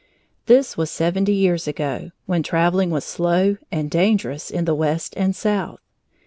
This was seventy years ago, when traveling was slow and dangerous in the west and south.